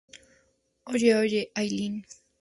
Oye, Oye, Helen.